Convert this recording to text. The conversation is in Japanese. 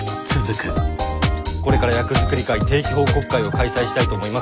これから役作り会定期報告会を開催したいと思います。